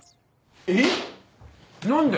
えっ？何で？